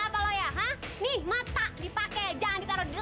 datang ke interior denganku karena